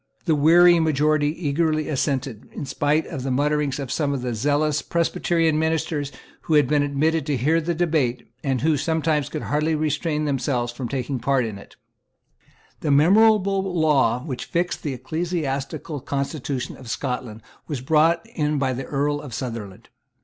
The weary majority eagerly assented, in spite of the muttering of some zealous Presbyterian ministers who had been admitted to hear the debate, and who could sometimes hardly restrain themselves from taking part in it, The memorable law which fixed the ecclesiastical constitution of Scotland was brought in by the Earl of Sutherland.